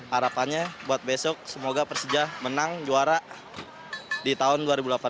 harapannya buat besok semoga persija menang juara di tahun dua ribu delapan belas